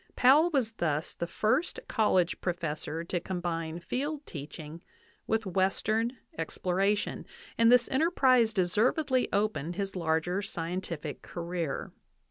Powell was thus the first college professor to combine field teaching with 'western exploration, and this enterprise deservedly opened his larger scientific career.